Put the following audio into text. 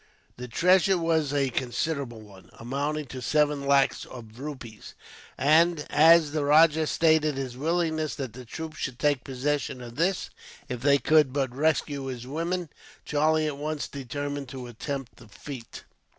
The treasure was a considerable one, amounting to seven lacs of rupees, and as the rajah stated his willingness that the troops should take possession of this, if they could but rescue his women, Charlie at once determined to attempt the feat.